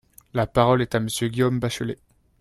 La parole est à Monsieur Guillaume Bachelay.